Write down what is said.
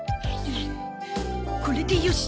これでよし。